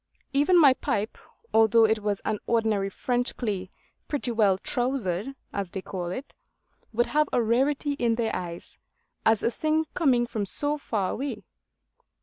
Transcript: Even my pipe, although it was an ordinary French clay pretty well 'trousered,' as they call it, would have a rarity in their eyes, as a thing coming from so far away.